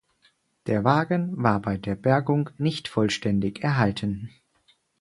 Der Wagen war bei der Bergung nicht vollständig erhalten.